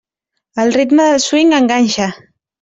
El ritme del swing enganxa.